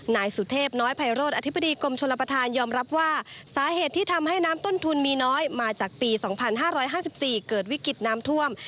นายสุเทพน้อยไพโรธอธิบดีกรมชลประธานยอมรับว่าสาเหตุที่ทำให้น้ำต้นทุนมีน้อยมาจากปี๒๕๕๔เกิดวิกฤตน้ำท่วม